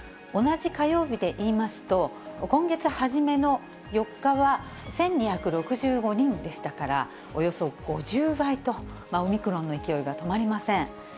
同じ火曜日で言いますと、今月初めの４日は、１２６５人でしたから、およそ５０倍と、オミクロンの勢いが止まりません。